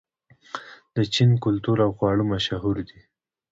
د چین کلتور او خواړه مشهور دي.